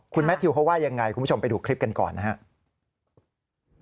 คุณแมททิวเขาว่ายังไงคุณผู้ชมไปดูคลิปกันก่อนนะครับ